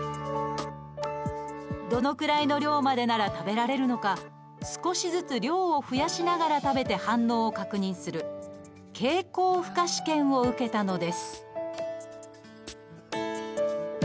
どのくらいの量までなら食べられるのか少しずつ量を増やしながら食べて反応を確認する経口負荷試験を受けたのです。